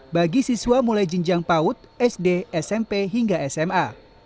bagi siswa mulai jenjang paut sd smp hingga sma